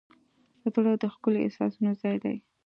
زړه د ښکلي احساسونو ځای دی.